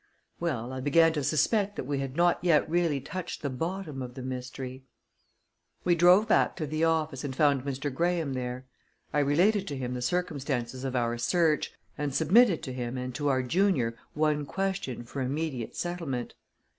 Well, I began to suspect that we had not yet really touched the bottom of the mystery. We drove back to the office, and found Mr. Graham there. I related to him the circumstances of our search, and submitted to him and to our junior one question for immediate settlement.